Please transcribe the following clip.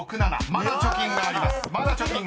まだ貯金があります］